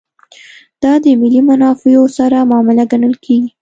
دا د ملي منافعو سره معامله ګڼل کېږي.